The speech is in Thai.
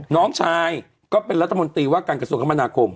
น้องชายก็รัฐมนตรีว่ากันสุขมณาคม